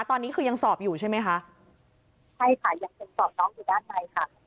ตอนนี้คือยังสอบอยู่ใช่ไหมคะใช่ค่ะยังเป็นสอบน้องอยู่ด้านในค่ะ